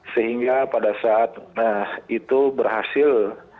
sehingga pada saat itu berhasil